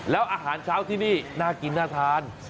แล้วอาหารเช้าที่นี่น่ากินน่าทาน